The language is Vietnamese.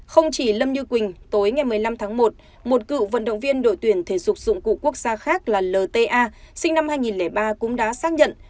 không chỉ lâm như quỳnh tối ngày một mươi năm tháng một một cựu vận động viên đội tuyển thể dục dụng cụ quốc gia khác là lta sinh năm hai nghìn ba cũng đã xác nhận